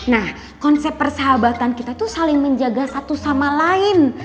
nah konsep persahabatan kita itu saling menjaga satu sama lain